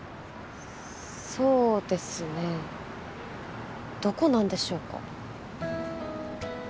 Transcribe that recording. そうですねどこなんでしょうか？